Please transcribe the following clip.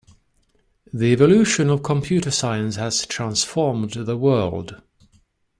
The evolution of computer science has transformed the world.